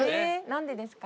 何でですか？